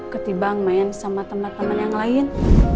ketimbang main sama teman teman yang lain